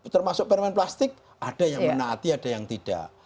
termasuk permen plastik ada yang menaati ada yang tidak